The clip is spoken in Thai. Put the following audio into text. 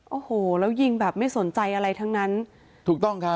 โอ้โหแล้วยิงแบบไม่สนใจอะไรทั้งนั้นถูกต้องครับ